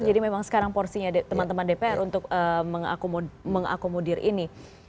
jadi memang sekarang porsinya teman teman dpr untuk mengakomodir ini